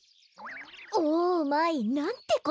オーマイ！なんてことだ！